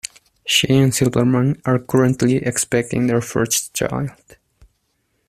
She and Silverman are currently expecting their first child.